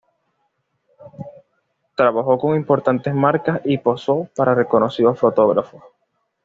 Trabajó con importantes marcas y posó para reconocidos fotógrafos.